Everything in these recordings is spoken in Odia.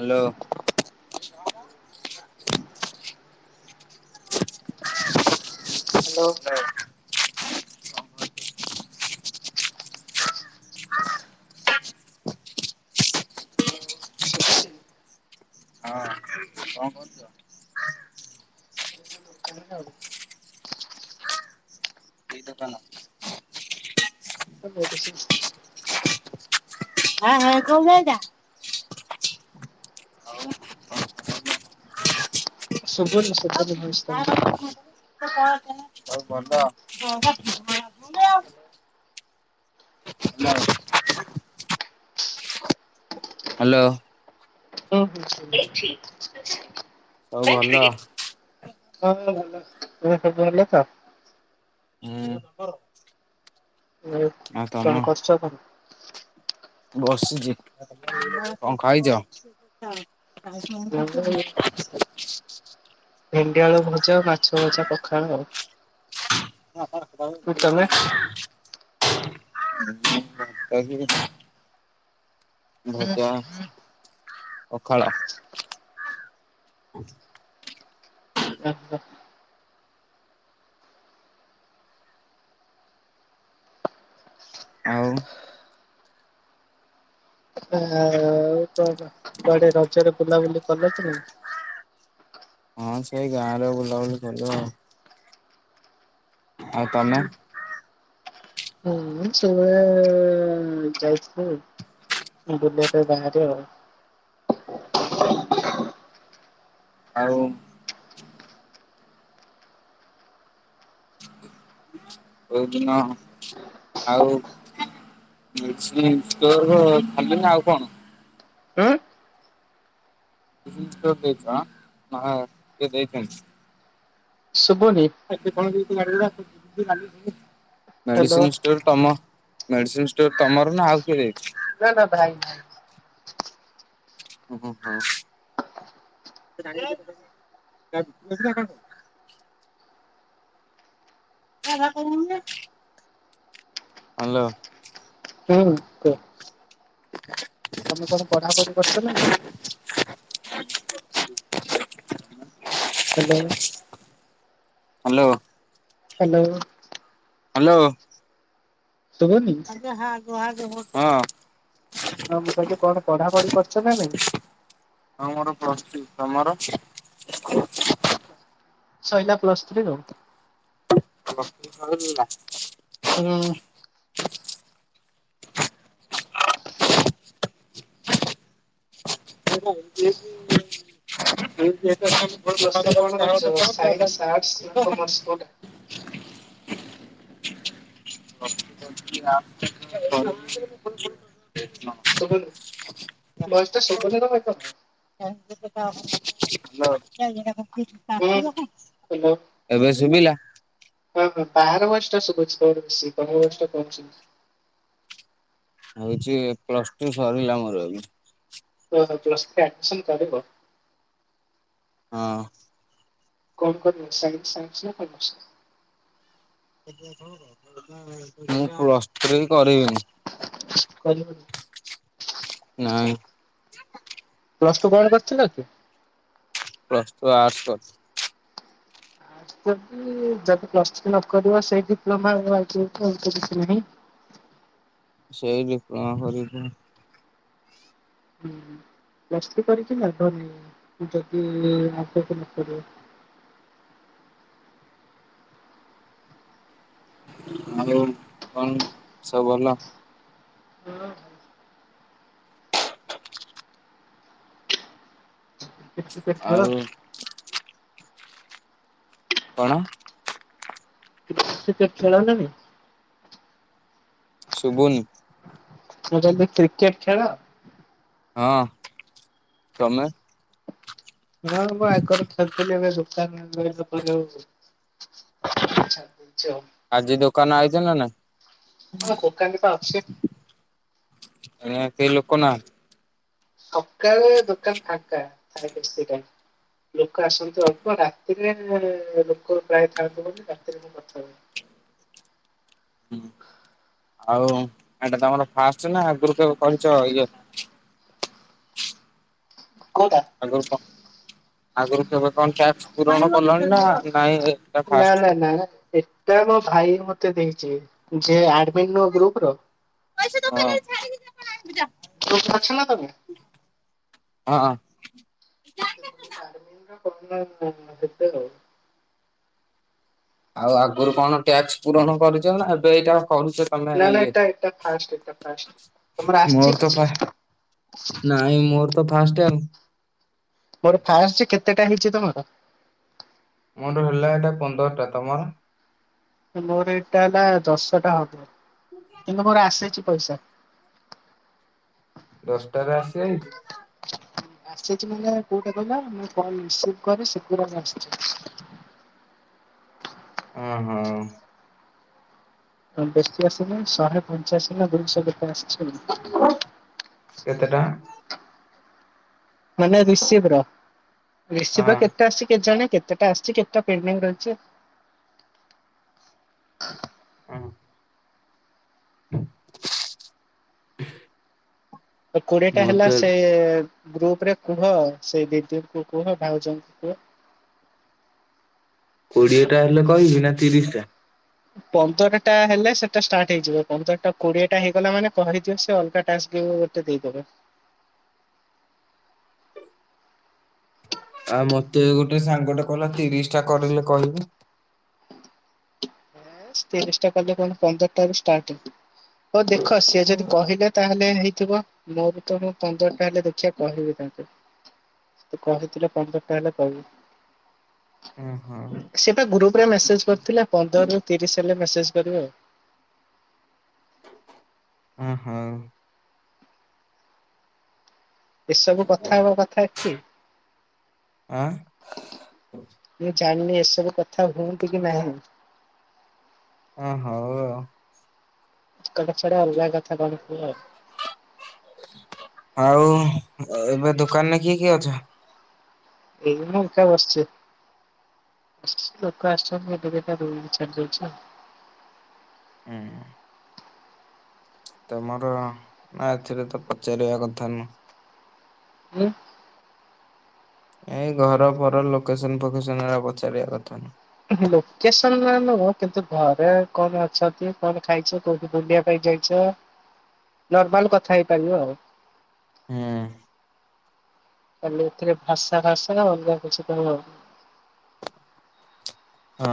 ହାଲୋ। [unintelligible] ହ୍ୟାଲୋ ନାଁ ଶୁଭୁଚି? ହଁ। କଣ କରୁଛ? ଦୋକାନ [unintelligible] କି ଦୋକାନ? କହିଲି ମେଡ଼ିସିନ ଷ୍ଟୋର। ହାଁ ହାଁ କୋଉ ଗାଈଟା। ସୁବୁନି ସେପଟୁ ଭଏସ ତମର। କଣ ଭଲ ହଁ ପା। [unintelligible] ହ୍ୟାଲୋ। ାଇ [unintelligible] ସବୁ ଭଲ? ହଁ ଭଲ ତୁମର ସବୁ ଭଲ ତ? ହୁଁ। ଆଉ କଣ କରୁଛ କଣ? ବସିଛି। କଣ ଖାଇଛ? [inaudible] ଭେଣ୍ଡିଆେଳୁ ଭଜା, ମାଛ ଭଜା ପଖାଳ ଆଉ। [unintelligible] ତମେ? [unintelligible] ଭଜା ପଖାଳ। ଆଛା। ଆଉ କୁଆଡେ-କୁଆଡେ ରଜରେ ବୁଲାବୁଲି କଲ କି ନାଇଁ? ହଁ ସେଇ ଗାଁରେ ବୁଲାବୁଲି କରିବା ଆଉ। ଆଉ ତମେ? ହୁଁ ସେଇ ଭାଳିଆ ଯାଇଥିଲୁ ବୁଲିବା ପାଇଁ ବାହାରେ ଆଉ। ଆଉ କୋଉଦିନ ଆଉ ତୋର ଭଲନି ଆଉ କଣ? ଉଁ ଦେଇ ଦେଇ ଛନ୍ତି। ଶଭୁନି। Hello medicine store. ତମ ମେଡ଼ିସିନ୍ ଷ୍ଟୋର ତମର ନା ଆଉ କିଏ ଯାଇଛି? ନା ନା ଭାଇ ଓହୋ ହଁ। ଦେଖ [unintelligible] ହାଲୋ। ହୁଁ କୁହ? ତମେ କଣ ପଢାପଢି କରୁ ଛକି ନାଇଁ? [inaudible] ହାଲୋ। ହାଲୋ। ହାଲୋ। ହାଲୋ। ଶୁଭୁନି? ହଁ। ହଁ ମୁଁ କହିଲି କଣ ପଢା ପଢି କରିଛ ନା ନାଇଁ? ହଁ ମୋର ପ୍ଲଷ୍ ଟୁ। ତମର? ସଇଲା ପ୍ଲସ୍ ଥ୍ରୀ ଆଉ। ପ୍ଲସ୍ ଥ୍ରୀ ସାରିଲା। ହୁଁ। [unintelligible] ପ୍ଲସ୍ ଥ୍ରୀ କଣ କରଛ ସାଇନ୍ସ ଆର୍ଟସ୍ କମର୍ସ କୋଉଟା? [unintelligible] ଶୁଭୁନି? ଭଏସ୍ ଟା ଶୁଭୁନି [unintelligible] ହୁଁ ହାଲୋ। ହ୍ୟାଲୋ ଏବେ ଶୁଭିଲା? ହଁ ହଁ ବାହାର ଭଏସ୍ ଟା ଶୁଭୁଛି ଜୋରେ ବେସି, ତମ ଭଏସ୍ ଟା କମ୍ ଶୁଭୁଛି। ହଉଚି ପ୍ଲସ ଟୁ ସରିଲା ମୋର ଏବେ। ଓହୋ, ପ୍ଲସ୍ ଥ୍ରି ଆଡମିଶନ୍ କରିବ? ହଁ। କଣ କରିବ [unintelligible] ନା କମର୍ସ? ମୁଁ ପ୍ଲସ୍ ଥ୍ରୀ କରିବିନି। [unintelligible] ନାଇଁ। ପ୍ଲସ୍ ଟୁ କଣ କରିଥିଲ କି? ପ୍ଲସ୍ ଟୁ ଆର୍ଟ୍ସ କରିଚି। ଯଦି-ଯଦି ପ୍ଲସ୍ ଥ୍ରି ନ କରିବ ସେଇ ଡିପ୍ଲୋମା [unintelligible] ଆଉ ତ କିଛି ନାହିଁ। ସେଇ ଡିପ୍ଲୋମା କରିବି। ହୁଁ ପ୍ଲସ ଥ୍ରୀ କରିକି ଲାଭ ନାହିଁ ଯଦି ଆଗକୁ ନ କରିବ। ଆଉ କଣ ସବୁ ଭଲ? ହଁ। କ୍ରିକେଟ ଫ୍ରିକେଟ ଖେଳ ଆଉ କଣ? କ୍ରିକେଟ୍ ଖେଳନ୍ତିନି? ଶୁବୁନି। ମୁଁ କହିଲି କ୍ରିକେଟ୍ ଖେଳ? ହଁ, ତମେ? ହଁ ମୁଁ ଆଗରୁ ଖେଳୁଥିଲି ଏବେ ଦୋକାନ ରହିଲା ପରେ ଆଉ [unintelligible] ଆଉ। ଆଜି ଦୋକାନ ଆଇଚ ନା ନାଇଁ? ହଁ ଦୋକାନରେ ପା ଅଛି। ଏଇନା କେହି ଲୋକ ନାହାନ୍ତି? ସକାଳେ ଦୋକାନ୍ ଫାଙ୍କା ଥାଏ ବେଶି ଟାଇମ୍। ଲୋକ ଆସନ୍ତି ଅଳ୍ପ ରାତିରେ ଲୋକ ପ୍ରାୟ ଥାଆନ୍ତି ବୋଲିି ରାତିରେ ମୁଁ କଥା ହୁଏନି। ହୁଁ, ଆଉ ଏଟା ତମର ଫାଷ୍ଟେ ନା ଆଗରୁ କେବେ କରିଚ ଇଏ? କୋଉଟା? ଆଗରୁ କ ଆଗରୁ କେବେ କଣ ଟାସ୍କ ପୂରଣ କଲଣି ନା ନାଇଁ ଏଇଟା ଫାଷ୍ଟ? ଏ ନା-ନା ଏଟା ମୋ ଭାଇ ମତେ ଦେଇଚି, ଯିଏ ଆଡମିନ୍ ନୁହଁ ଗ୍ରୁପ୍ ର ଗ୍ରୁପ୍ ରେ ଅଛ ନା ତମେ? ହଁ। [unintelligible] ଆଉ ଆଗୁରୁ କଣ ଟ୍ୟାକ୍ସ ପୂରଣ କରିଚ ନା ଏବେ ଏଇଟା କରୁଚ ତମେ ନା ନା ଇଏ। ଏଟା ଏଟା ଫାଷ୍ଟ ଏଟା ଫାଷ୍ଟ। ତମର ଆସିଛି କିଛି? ନାଇଁ ମୋର ତ ଫାଷ୍ଟେ ଆଉ। ମୋର ଫାଷ୍ଟେ, କେତେଟା ହେଇଚି ତମର? ମୋର ହେଲା ଏଇଟା ପନ୍ଦର ଟା, ତମର? ମୋର ଏଇଟା ହେଲା ଦଶଟା ହବ କିନ୍ତୁ ମୋର ଆସିଚି ପଇସା। ଦଶଟାରେ ଆସିଯାଇଚି? ଆସିଚି ମାନେ କୋଉଟା କହିଲ, ମୁଁ କଲ୍ ରିସିଭ୍ କରେ ସେଗୁଡାକ ଆସିଚି। ଓହୋ। ହଁ, ବେଶୀ ଆସିନି ଶହେ ପଞ୍ଚାଅଶୀ ନା ଦୁଇଶହ କେତେ ଆସ୍ଚି ଆଉ। କେତେଟା? ମାନେ ରିସିଭର ରିସିଭର ହଁ। କେତେ ଆସିଛି କେଜାଣି, କେତେଟା ଆସିଛି କେତେ ପେମେଣ୍ଟ ରହିଛି। ହଁ। ହ ତ କୋଡିଏ ଟା ହେଲା ସେଇ ଗ୍ରୁପ ରେ କୁହ ସେଇ ଦିଦିଙ୍କୁ କୁହ ଭାଉଜଙ୍କୁ କୁହ। କୋଡିଏ ଟା ହେଲେ କହିବି ନା ତିରିଶ ଟା? ପନ୍ଦରଟା ହେଲେ ସେଟା ଷ୍ଟାର୍ଟ ହେଇଯିବ ପନ୍ଦର ଟା କୋଡିଏ ଟା ହେଇଗଲା ମାନେ କହିଯିବ ସେ ଅଲଗା ଟାସ୍କ ବୋ ତ ଦେଇଦେବେ। ଆଉ ମତେ ଗୋଟେ ସାଙ୍ଗ ଟା କହିଲା ତିରିଶ ଟା କରିଲେ କହିବୁ। ତତିରିଶ ଟା କଲେ କଣ ପନ୍ଦର ଟା ରୁ ଷ୍ଟାଟ୍। ହଉ ଦେଖ ସିଏ ଯଦି କହିଲେ ତାହେଲେ ହେଇଥିବ। ମୁଁ ବି ତ ମୁଁ ପନ୍ଦରଟା ହେଲେ ଦେଖିବା କହିବି ତାଙ୍କୁ। ସେ ତ କହିଥିଲେ ପନ୍ଦର ଟା ହେଲେ କହିବୁ। ହଁ ହଁ। ସେତ ଗ୍ରୁପ ରେ ମେସେଜ କରିଥିଲା ପନ୍ଦରରୁ ତିରିଶ ହେଲେ ମେସେଜ କରିବ ଆଉ। ହଁ ହଉ। ଏସବୁ କଥା ହବା କଥା ଏଠି। ଆଁ ମୁଁ ଜାଣିନି ଏସବୁ କଥା ହୁଅନ୍ତି କି ନାହିଁ। ହଁ ହଉ ଆଉ। କଡ଼ ଛାଡ ଅଲଗା କଥା କଣ କୁହ? ଆଉ ଏବେ ଦୋକାନରେ କିଏ କିଏ ଅଛ? ଏଇ ମୁଁ ଏକା ବସିଛି। ଲୋକ ଆସିୁଛନ୍ତି ଏବେତ ଦୁଇ ଚାର ଦୁଇ ଛ। ହଁ ତମର ନା ଏଥିରେ ତ ପଚାରିବା କଥା ନୁହଁ ହୁଁ ଏଇ ଘର ଫର ଲୋକେସନ ଫୋକେସନ୍ ଏରା ପଚାରିବା କଥା ନୁହଁ। ଲୋକେସନ ନା ନୁହ କିନ୍ତୁ ଘରେ କଣ ଅଛନ୍ତି କଣ ଖାଇଛ କୋଉଠି ବୁଲିବାକୁ କାଇ ଯାଇଛ ନର୍ମାଲ କଥା ହେଇପାରିବ ଆଉ। ହଁ। ଖାଲି ଏଥିରେ ଭାଷା ଭାଷା ଅଲଗା କିଛି କହିବ। ହଁ,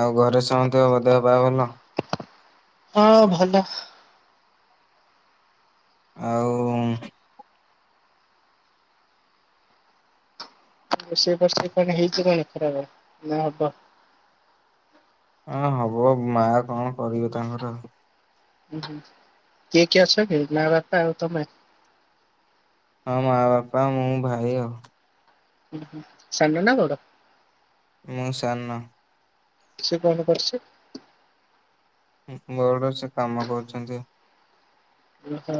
ଆଉ ଘରେ ସମସ୍ତଙ୍କ ଦେହ ପାହା ଭଲ? ହଁ, ଭଲ। ଆଉ ରୋଷେଇ ଫୋସେଇ କଣ ହେଇଛି କଣ ଖରାବେଳେ ନା ହବ? ହଁ, ହବ ମା କଣ କରିବ ତାଙ୍କର ଆଉ। ଉହୁଁ, କିଏ କିଏ ଅଛ କି? ମା, ବାପା ଆଉ ତମେ? ହଁ, ମା, ବାପା, ମୁଁ ଭାଇ ଆଉ। ଉହୁଁ, ସାନ ନା ବଡ଼? ମୁଁ ସାନ। ସେ କଣ କରୁଛି ସେ? ବଉଡ ସେ କାମ କରୁଛନ୍ତି। ଓ ହୋ।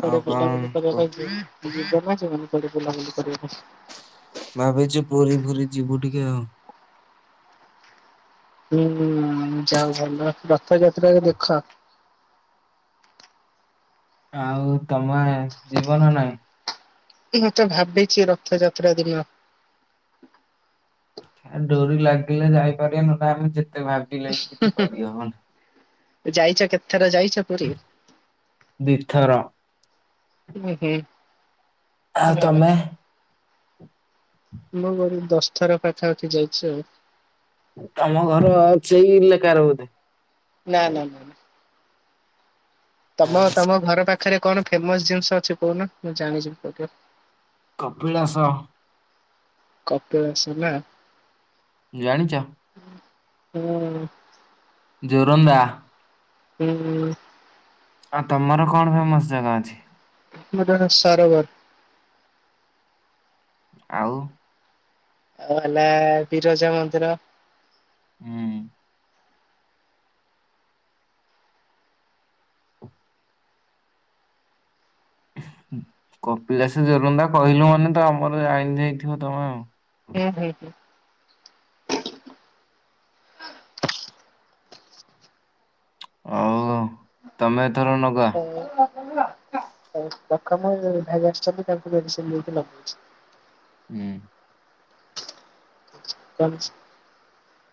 କୁଆଡେ ଆଉ କଣ ବୁଲାବୁଲି କୁହ? କରିବା ପାଇଁ ଯି ଯିବ ନା ଯିବନି କୁଆଡେ ବୁଲାବୁଲି କରିବା ପାଇଁ? ଭାବିଚୁ ପୁରୀ ଫୁରି ଯିବୁ ଟିକେ ଆଉ ହୁଁ ଉଁ ଯାଅ ଭଲ ରଥଯାତ୍ରାରେ ଦେଖ। ଆଉ ତମେ ଯିବ ନା ନାଇଁ? [unintelligible] ତ ଭାବିଚି ରଥଯାତ୍ରା ଦିନ ତା ଡୋରି ଲାଗିଲେ ଯାଇପାରିବା ନହେଲେ ଆମେ ଯେତେ ଭା ହୁଁ ହୁଁ ଯାଇଚ କେତେଥର ଯାଇଛ ପୁରୀ? ଦି ଥର। ଓହୋ ଆଉ ଭଲ। ତମେ ମୁଁ କରିବି ଦଶ ଥର ପାଖାପାଖି ଯାଇଛି ଆଉ ତମ ଘରେ ଆଉ ସେଇ ଲେ କାର ବୋଧେ ନା ନା ନା ନା। ଆଉ ତମ ତମ ଘର ପାଖରେ କଣ ଫେମସ ଜିନିଷ ଅଛି କୋହୁନ ମୁଁ ଜାଣିଯିବି କୋଉଠୁ କପିଳାସ। କପିଳାସ ନା ଜାଣିଚ? ହୁଁ ଜୋରନ୍ଦା ହୁଁ ଆ ତମର କଣ ଫେମସ ଜାଗା ଅଛି? ଆମ ପାଖ ସରୋବର। ଆଉ? ଆଉ ହେଲା ବିରଜା ମନ୍ଦିର। ହୁଁ ହୁଁ କପିଳାସ ଜୋରନ୍ଦା କହିଲୁ ମାନେ ତ ଆମର ଜାଣି ଦେଇଥିବ ତମେ ଆଉ। ହୁଁ ହୁଁ ହୁଁ ଆଉ ତମେ ଏଥର ନଗା ଉଁ ହଉ ରଖ ମୁଁ ଭାଇ ଆସିଛନ୍ତି ତାଙ୍କୁ ମେଡିସିନ ଦେଇକି ଲଗଉଛି। ହୁଁ ଚାଲୁଚି